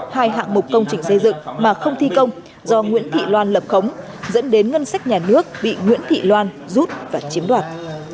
hai hạng mục công trình xây dựng mà không thi công do nguyễn thị loan lập khống dẫn đến ngân sách nhà nước bị nguyễn thị loan rút và chiếm đoạt